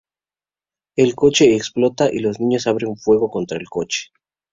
El coche explota y los niños abren fuego contra el coche.